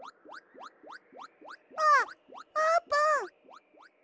あっあーぷん！